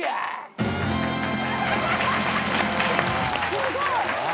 すごい！